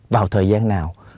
vào thời gian nào